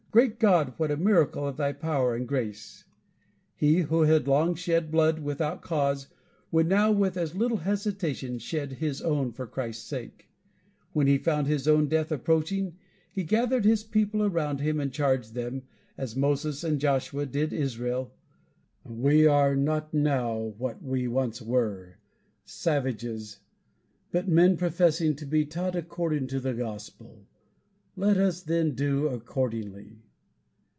Great God, what a miracle of thy power and grace!" He who had long shed blood without cause would now with as little hesitation shed his own for Christ's sake. When he found his own death approaching, he gathered his people around him, and charged them, as Moses and Joshua did Israel: "We are not now what we once were, savages, but men professing to be taught according to the gospel. Let us, then, do accordingly."